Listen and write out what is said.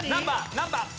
何番？